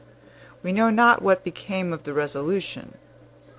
We know not what became of the resolution.